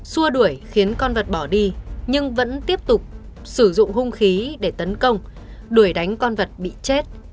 xua đuổi khiến con vật bỏ đi nhưng vẫn tiếp tục sử dụng hung khí để tấn công đuổi đánh con vật bị chết